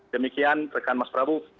demikian rekan mas prabu